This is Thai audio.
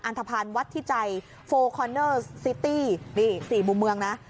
อรรถพรรณวัดที่ใจโฟลคอร์เนอร์ซิตี้นี่สี่มุมเมืองนะ